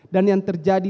dan yang terjadi